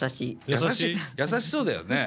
優しそうだよね？